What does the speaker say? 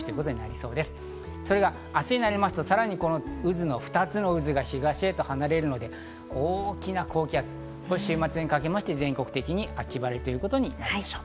それが明日になりますと、さらにこの渦の２つが東へ離れるので、大きな高気圧、週末にかけまして全国的に秋晴れということになるでしょう。